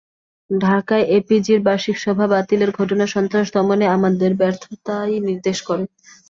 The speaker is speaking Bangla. ঢাকায় এপিজির বার্ষিক সভা বাতিলের ঘটনা সন্ত্রাস দমনে আমাদের ব্যর্থতাই নির্দেশ করে।